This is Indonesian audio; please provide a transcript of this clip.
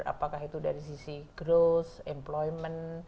apakah itu dari sisi growth employment